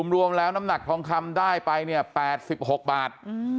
รวมแล้วน้ำหนักทองคำได้ไปเนี่ย๘๖บาท